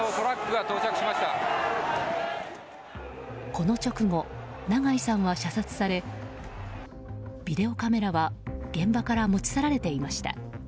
この直後、長井さんは射殺されビデオカメラは現場から持ち去られていました。